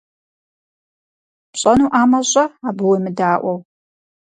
Пщӏэнуӏамэ, щӏэ, абы уемыдаӏуэу.